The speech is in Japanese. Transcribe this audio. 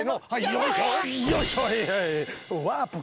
よいしょ。